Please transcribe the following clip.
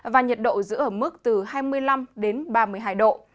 và nhiệt độ giữ ở mức từ hai mươi năm đến ba mươi hai độ